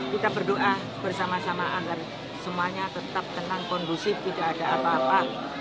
kita berdoa bersama sama agar semuanya tetap tenang kondusif tidak ada apa apa